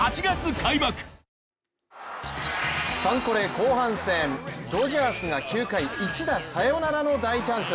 後半戦ドジャースが９回、１打サヨナラの大チャンス。